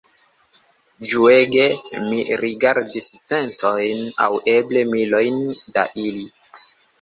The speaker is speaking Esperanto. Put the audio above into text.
Ĝuege mi rigardis centojn aŭ eble milojn da ili.